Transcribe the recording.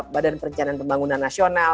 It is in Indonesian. badan perencanaan pembangunan nasional